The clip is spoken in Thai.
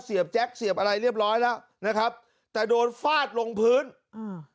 แจ็คเสียบอะไรเรียบร้อยแล้วนะครับแต่โดนฟาดลงพื้นอืม